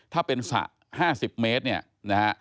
ถ้าเป็นสระ๕๐เมตรเนี่ยนะฮะ